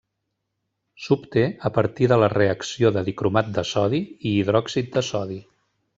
S'obté a partir de la reacció de dicromat de sodi i hidròxid de sodi.